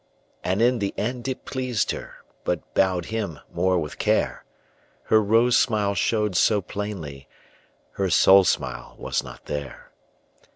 And in the end it pleased her, But bowed him more with care. Her rose smile showed so plainly, Her soul smile was not there.